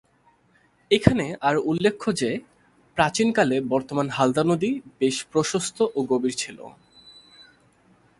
এখানে আরো উল্লেখ্য যে, প্রাচীন কালে বর্তমান হালদা নদী বেশ প্রশস্ত ও গভীর ছিল।